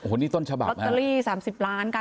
โอ้โหนี่ต้นฉบับนะ